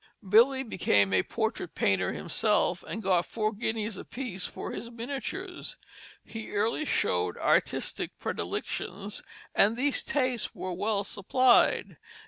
Billey became a portrait painter himself, and got four guineas apiece for his miniatures. He early showed artistic predilections, and these tastes were well supplied.